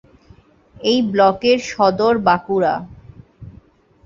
এই ব্লকের সদর বাঁকুড়া।